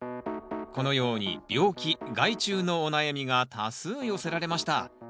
このように病気害虫のお悩みが多数寄せられました。